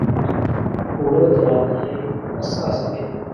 اوړه د غرمنۍ اساس دی